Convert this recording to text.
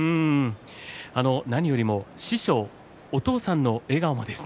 何よりも師匠お父さんの笑顔ですね。